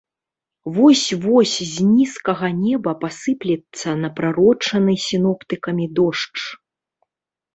Вось-вось з нізкага неба пасыплецца напрарочаны сіноптыкамі дождж.